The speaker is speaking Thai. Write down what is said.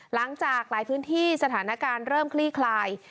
หลังจากหลายพื้นที่สถานการณ์เริ่มคลี่คลาย